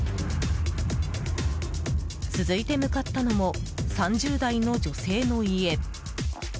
続いて向かったのも３０代の女性の家。